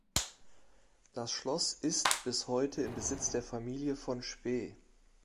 Das Schloss ist bis heute im Besitz der Familie von Spee.